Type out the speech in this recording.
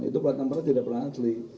itu plat nomor tidak pernah asli